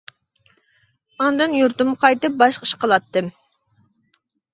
ئاندىن يۇرتۇمغا قايتىپ باشقا ئىش قىلاتتىم.